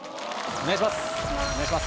お願いします